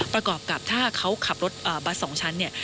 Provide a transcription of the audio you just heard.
ประกอบกับถ้าเขาขับรถบัส๒ชั้นเนี่ย